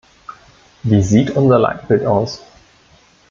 Wie sieht unser Leitbild aus?